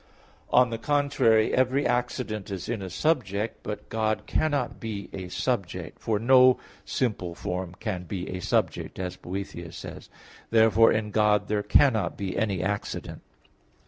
On the contrary, Every accident is in a subject. But God cannot be a subject, for "no simple form can be a subject", as Boethius says (De Trin.). Therefore in God there cannot be any accident.